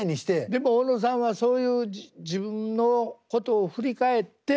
でも小野さんはそういう自分のことを振り返って。